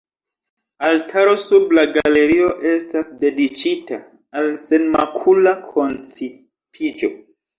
Altaro sub la galerio estas dediĉita al Senmakula Koncipiĝo.